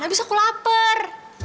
habis aku lapar